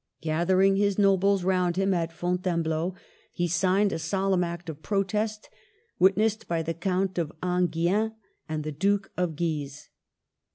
Gathering his nobles round him at Fontaine bleau, he signed a solemn act of protest, wit nessed by the Count of Anguien and the Duke of Guise.